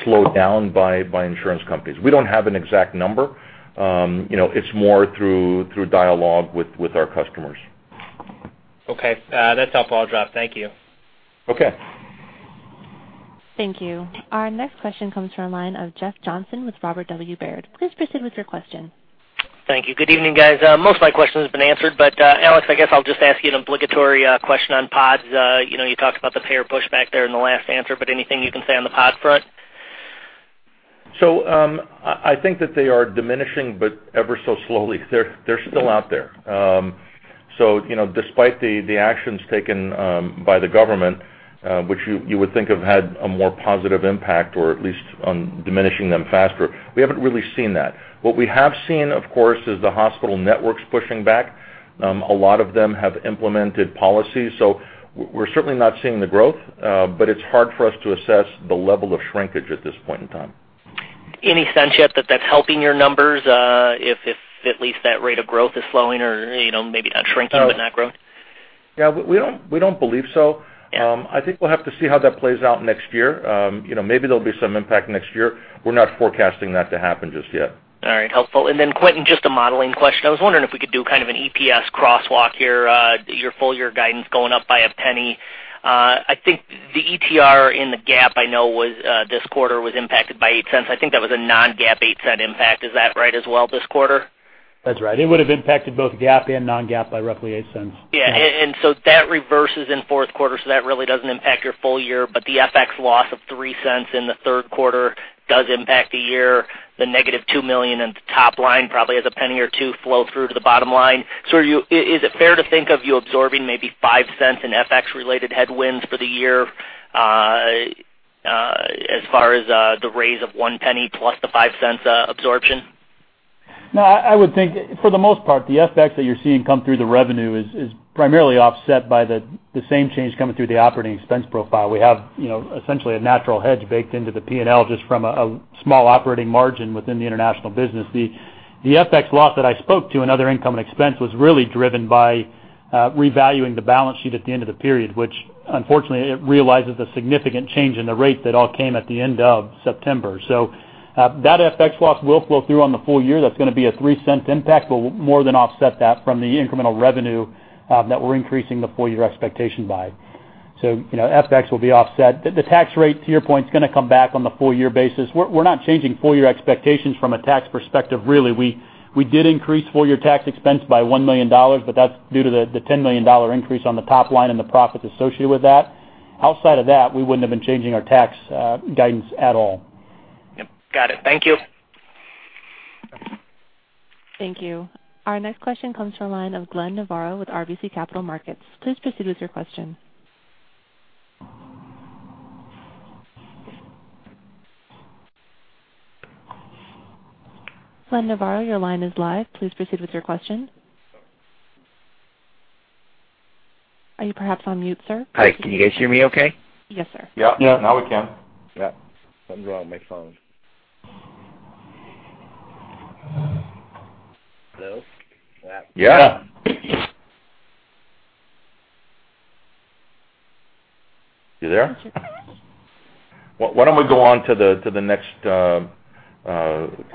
slowed down by insurance companies. We do not have an exact number. It's more through dialogue with our customers. Okay. That's helpful. I'll drop. Thank you. Okay. Thank you. Our next question comes from a line of Jeff Johnson with Robert W. Baird. Please proceed with your question. Thank you. Good evening, guys. Most of my questions have been answered, but Alex, I guess I'll just ask you an obligatory question on pods. You talked about the payer pushback there in the last answer, but anything you can say on the pod front? I think that they are diminishing, but ever so slowly. They're still out there. Despite the actions taken by the government, which you would think have had a more positive impact or at least on diminishing them faster, we haven't really seen that. What we have seen, of course, is the hospital networks pushing back. A lot of them have implemented policies. We're certainly not seeing the growth, but it's hard for us to assess the level of shrinkage at this point in time. Any sense yet that that's helping your numbers, if at least that rate of growth is slowing or maybe not shrinking but not growing? Yeah. We don't believe so. I think we'll have to see how that plays out next year. Maybe there'll be some impact next year. We're not forecasting that to happen just yet. All riht. Helpful. And then, Quentin, just a modeling question. I was wondering if we could do kind of an EPS crosswalk here. Your full-year guidance going up by a penny. I think the ETR in the GAAP I know this quarter was impacted by $0.08. I think that was a non-GAAP $0.08 impact. Is that right as well this quarter? That's right. It would have impacted both GAAP and non-GAAP by roughly $0.08. Yeah. That reverses in fourth quarter, so that really does not impact your full year, but the FX loss of $0.03 in the third quarter does impact the year. The negative $2 million in the top line probably has a penny or two flow through to the bottom line. Is it fair to think of you absorbing maybe $0.05 in FX-related headwinds for the year as far as the raise of $0.01 plus the $0.05 absorption? No. I would think, for the most part, the FX that you are seeing come through the revenue is primarily offset by the same change coming through the operating expense profile. We have essentially a natural hedge baked into the P&L just from a small operating margin within the international business. The FX loss that I spoke to in other income and expense was really driven by revaluing the balance sheet at the end of the period, which unfortunately realizes the significant change in the rate that all came at the end of September. That FX loss will flow through on the full year. That's going to be a 3% impact, but more than offset that from the incremental revenue that we're increasing the full-year expectation by. FX will be offset. The tax rate, to your point, is going to come back on the full-year basis. We're not changing full-year expectations from a tax perspective, really. We did increase full-year tax expense by $1 million, but that's due to the $10 million increase on the top line and the profits associated with that. Outside of that, we wouldn't have been changing our tax guidance at all. Yep. Got it. Thank you. Thank you. Our next question comes from a line of Glenn Navarro with RBC Capital Markets. Please proceed with your question. Glenn Navarro, your line is live. Please proceed with your question. Are you perhaps on mute, sir? Hi. Can you guys hear me okay? Yes, sir. Yeah. Now we can. Yeah. Something's wrong with my phone. Hello? Yeah. Yeah. You there? Why don't we go on to the next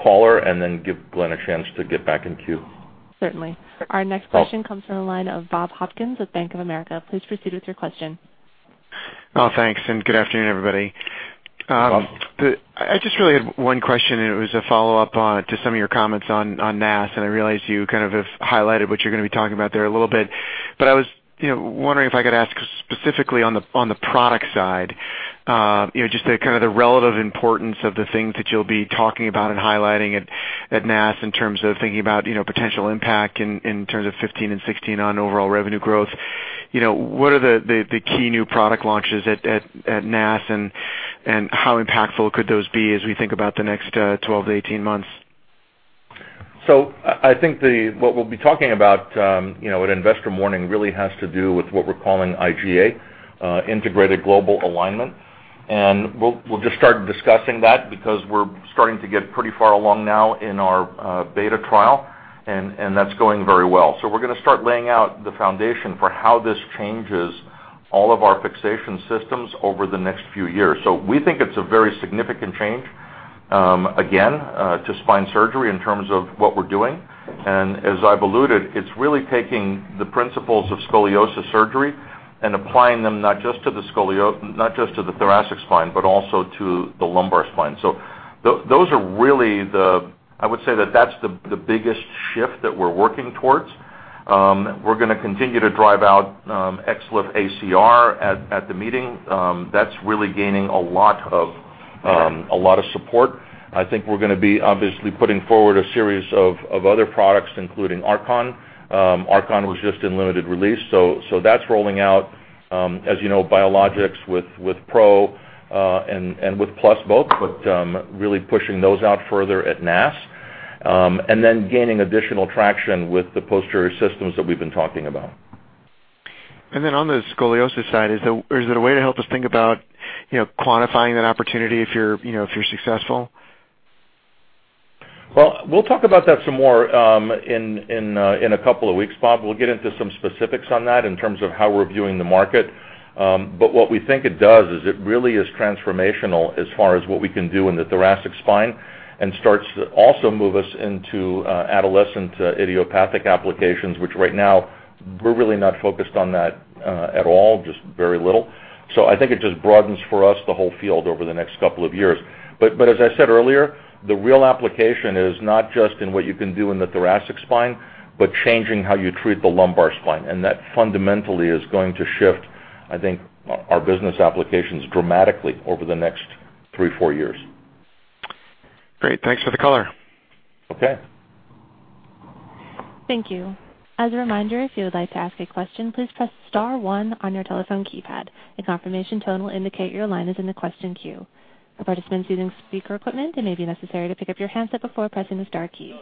caller and then give Glenn a chance to get back in queue? Certainly. Our next question comes from a line of Bob Hopkins with Bank of America. Please proceed with your question. Oh, thanks. And good afternoon, everybody. I just really had one question, and it was a follow-up to some of your comments on NAS, and I realize you kind of have highlighted what you're going to be talking about there a little bit. I was wondering if I could ask specifically on the product side, just kind of the relative importance of the things that you'll be talking about and highlighting at NAS in terms of thinking about potential impact in terms of 2015 and 2016 on overall revenue growth. What are the key new product launches at NAS, and how impactful could those be as we think about t he next 12-18 months? I think what we'll be talking about at Investor Morning really has to do with what we're calling IGA, Integrated Global Alignment. We'll just start discussing that because we're starting to get pretty far along now in our beta trial, and that's going very well. We're going to start laying out the foundation for how this changes all of our fixation systems over the next few years. We think it's a very significant change, again, to spine surgery in terms of what we're doing. As I've alluded, it's really taking the principles of scoliosis surgery and applying them not just to the thoracic spine but also to the lumbar spine. I would say that that's the biggest shift that we're working towards. We're going to continue to drive out XLIF ACR at the meeting. That's really gaining a lot of support. I think we're going to be obviously putting forward a series of other products, including Archon. Archon was just in limited release. That's rolling out, as you know, biologics with Pro and with Plus both, but really pushing those out further at NAS and then gaining additional traction with the posterior systems that we've been talking about. On the scoliosis side, is there a way to help us think about quantifying that opportunity if you're successful? We'll talk about that some more in a couple of weeks. Bob, we'll get into some specifics on that in terms of how we're viewing the market. What we think it does is it really is transformational as far as what we can do in the thoracic spine and starts to also move us into adolescent idiopathic applications, which right now we're really not focused on at all, just very little. I think it just broadens for us the whole field over the next couple of years. As I said earlier, the real application is not just in what you can do in the thoracic spine, but changing how you treat the lumbar spine. That fundamentally is going to shift, I think, our business applications dramatically over the next three, four years. Great. Thanks for the caller. Thank you. As a reminder, if you would like to ask a question, please press star one on your telephone keypad. A confirmation tone will indicate your line is in the question queue. For participants using speaker equipment, it may be necessary to pick up your handset before pressing the star key.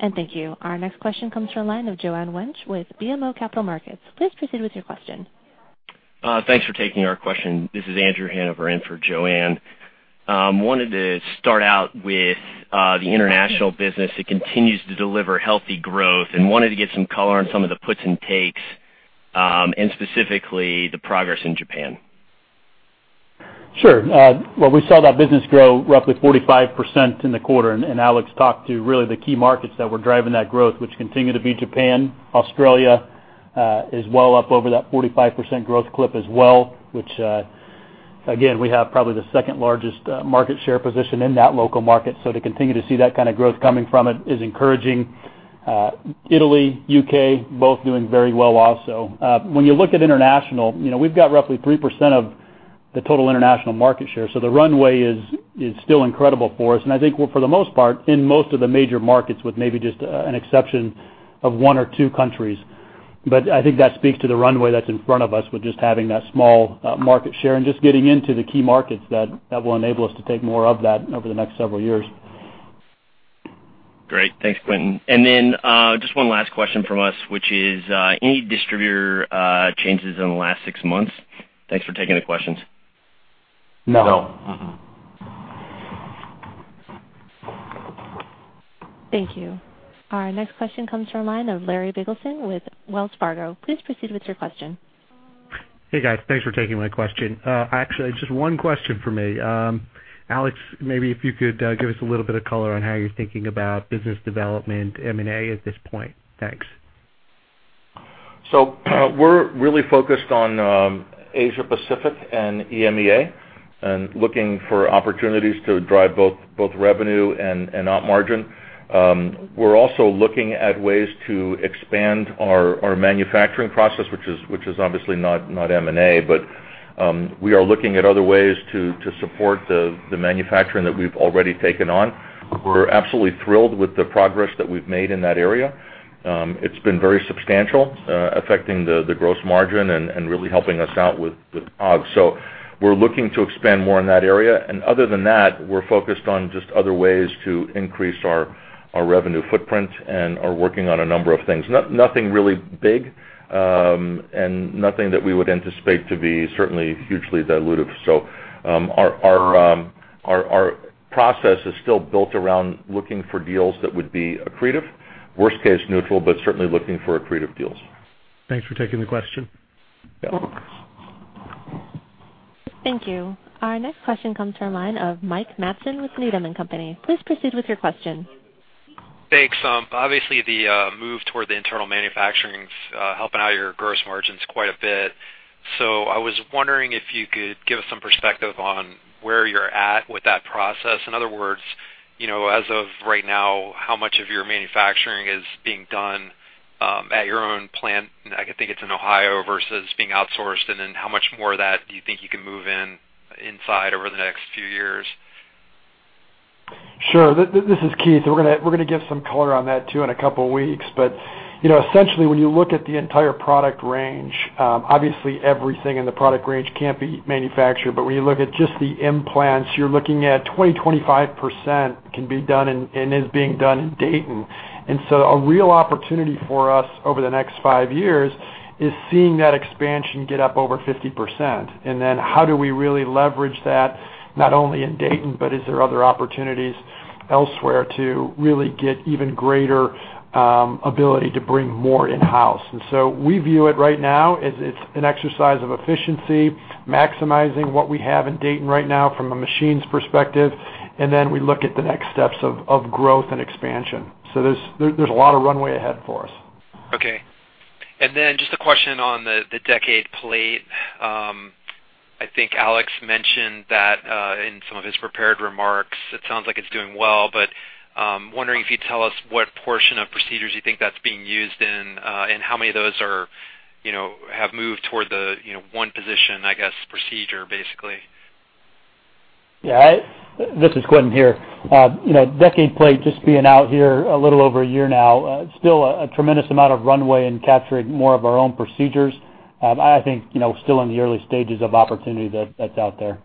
Thank you. Our next question comes from a line of Joanne Wench with BMO Capital Markets. Please proceed with your question. Thanks for taking our question. This is Andrew Hanover in for Joanne. Wanted to start out with the international business that continues to deliver healthy growth and wanted to get some color on some of the puts and takes and specifically the progress in Japan. Sure. We saw that business grow roughly 45% in the quarter, and Alex talked to really the key markets that were driving that growth, which continue to be Japan. Australia is well up over that 45% growth clip as well, which, again, we have probably the second largest market share position in that local market. To continue to see that kind of growth coming from it is encouraging. Italy, U.K., both doing very well also. When you look at international, we have roughly 3% of the total international market share. The runway is still incredible for us. I think, for the most part, in most of the major markets with maybe just an exception of one or two countries. I think that speaks to the runway that's in front of us with just having that small market share and just getting into the key markets that will enable us to take more of that over the next several years. Great. Thanks, Quentin. One last question from us, which is any distributor changes in the last six months? Thanks for taking the questions. No. No. Thank you. Our next question comes from a line of Larry Biggleson with Wells Fargo. Please proceed with your question. Hey, guys. Thanks for taking my question. Actually, just one question for me. Alex, maybe if you could give us a little bit of color on how you're thinking about business development M&A at this point. Thanks. We're really focused on Asia Pacific and EMEA and looking for opportunities to drive both revenue and op margin. We're also looking at ways to expand our manufacturing process, which is obviously not M&A, but we are looking at other ways to support the manufacturing that we've already taken on. We're absolutely thrilled with the progress that we've made in that area. It's been very substantial, affecting the gross margin and really helping us out with pods. We're looking to expand more in that area. Other than that, we're focused on just other ways to increase our revenue footprint and are working on a number of things. Nothing really big and nothing that we would anticipate to be certainly hugely dilutive. Our process is still built around looking for deals that would be accretive, worst-case neutral, but certainly looking for accretive deals. Thanks for taking the question. Yeah. Thank you. Our next question comes from a line of Mike Matson with Needham Company. Please proceed with your question. Thanks. Obviously, the move toward the internal manufacturing is helping out your gross margins quite a bit. I was wondering if you could give us some perspective on where you're at with that process. In other words, as of right now, how much of your manufacturing is being done at your own plant? I think it's in Ohio versus being outsourced. How much more of that do you think you can move inside over the next few years? Sure. This is Keith. We're going to give some color on that too in a couple of weeks. Essentially, when you look at the entire product range, obviously, everything in the product range can't be manufactured. When you look at just the implants, you're looking at 20-25% can be done and is being done in Dayton. A real opportunity for us over the next five years is seeing that expansion get up over 50%. How do we really leverage that not only in Dayton, but is there other opportunities elsewhere to really get even greater ability to bring more in-house? We view it right now as it's an exercise of efficiency, maximizing what we have in Dayton right now from a machines perspective. We look at the next steps of growth and expansion. There is a lot of runway ahead for us. Okay. Just a question on the Decade Plate. I think Alex mentioned that in some of his prepared remarks. It sounds like it's doing well, but I'm wondering if you'd tell us what portion of procedures you think that's being used in and how many of those have moved toward the one position, I guess, procedure, basically. Yeah. This is Quentin here. Decade Plate, just being out here a little over a year now, still a tremendous amount of runway in capturing more of our own procedures. I think still in the early stages of opportunity that's out there.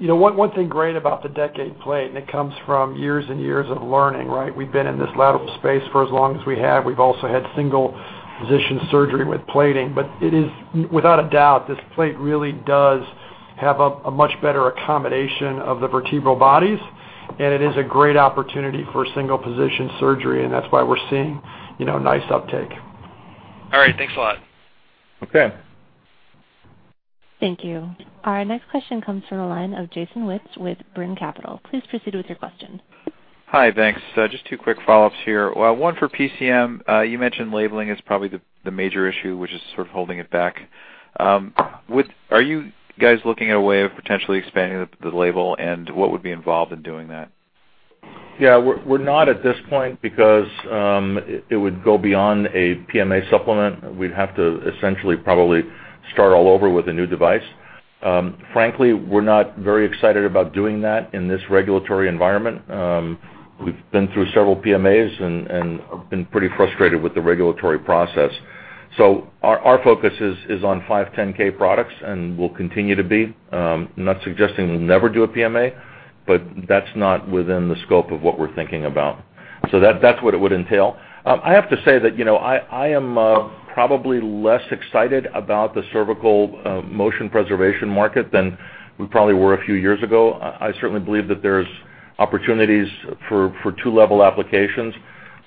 One thing great about the Decade Plate, and it comes from years and years of learning, right? We've been in this lateral space for as long as we have. We've also had single-position surgery with plating. Without a doubt, this plate really does have a much better accommodation of the vertebral bodies, and it is a great opportunity for single-position surgery. That's why we're seeing nice uptake. All right. Thanks a lot. Okay. Thank you. Our next question comes from a line of Jason Witz with Brin Capital. Please proceed with your question. Hi. Thanks. Just two quick follow-ups here. One for PCM. You mentioned labeling is probably the major issue, which is sort of holding it back. Are you guys looking at a way of potentially expanding the label, and what would be involved in doing that? Yeah. We're not at this point because it would go beyond a PMA supplement. We'd have to essentially probably start all over with a new device. Frankly, we're not very excited about doing that in this regulatory environment. We've been through several PMAs and have been pretty frustrated with the regulatory process. Our focus is on 510(k) products, and we'll continue to be. I'm not suggesting we'll never do a PMA, but that's not within the scope of what we're thinking about. So that's what it would entail. I have to say that I am probably less excited about the cervical motion preservation market than we probably were a few years ago. I certainly believe that there's opportunities for two-level applications,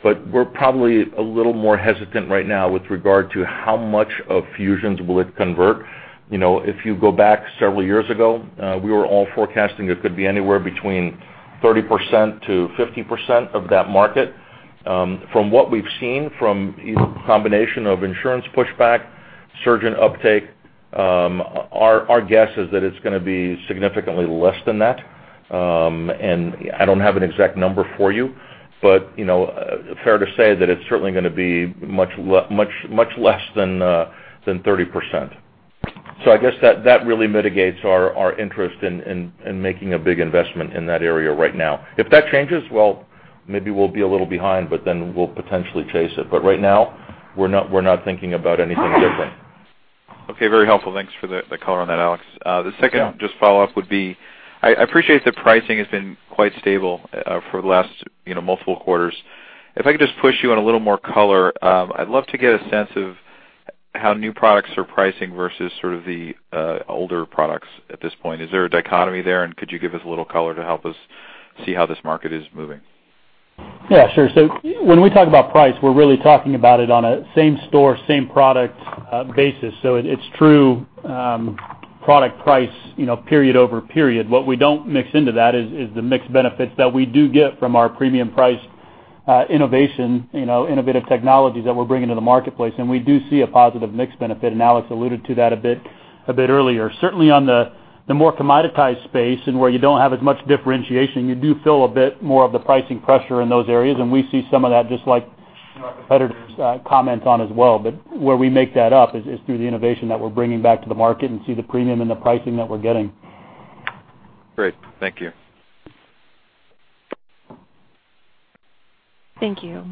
but we're probably a little more hesitant right now with regard to how much of fusions will it convert. If you go back several years ago, we were all forecasting it could be anywhere between 30%-50% of that market. From what we've seen from a combination of insurance pushback, surgeon uptake, our guess is that it's going to be significantly less than that. And I don't have an exact number for you, but fair to say that it's certainly going to be much less than 30%. I guess that really mitigates our interest in making a big investment in that area right now. If that changes, maybe we'll be a little behind, but then we'll potentially chase it. Right now, we're not thinking about anything different. Okay. Very helpful. Thanks for the color on that, Alex. The second just follow-up would be I appreciate the pricing has been quite stable for the last multiple quarters. If I could just push you on a little more color, I'd love to get a sense of how new products are pricing versus sort of the older products at this point. Is there a dichotomy there, and could you give us a little color to help us see how this market is moving? Yeah. Sure. When we talk about price, we're really talking about it on a same-store, same-product basis. It is true product price period over period. What we do not mix into that is the mixed benefits that we do get from our premium-priced innovation, innovative technologies that we are bringing to the marketplace. We do see a positive mixed benefit. Alex alluded to that a bit earlier. Certainly, on the more commoditized space and where you do not have as much differentiation, you do feel a bit more of the pricing pressure in those areas. We see some of that just like our competitors comment on as well. Where we make that up is through the innovation that we are bringing back to the market and see the premium and the pricing that we are getting. Great. Thank you. Thank you.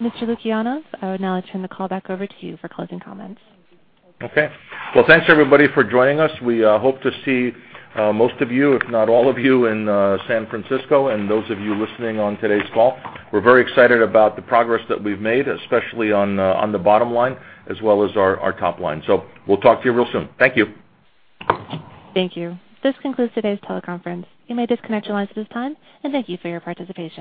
Mr. Lukianov, I would now turn the call back over to you for closing comments. Thank you, everybody, for joining us. We hope to see most of you, if not all of you, in San Francisco and those of you listening on today's call. We're very excited about the progress that we've made, especially on the bottom line as well as our top line. We will talk to you real soon. Thank you. Thank you. This concludes today's teleconference. You may disconnect your lines at this time, and thank you for your participation.